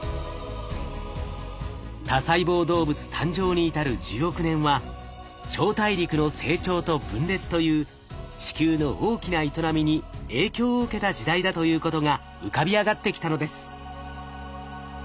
多細胞動物誕生に至る１０億年は超大陸の成長と分裂という地球の大きな営みに影響を受けた時代だということが浮かび上がってきたのです。